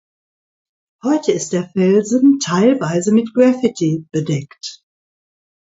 Heute ist der Felsen teilweise mit Graffiti bedeckt.